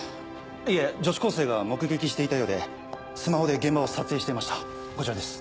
いえ女子高生が目撃していたようでスマホで現場を撮影していましたこちらです。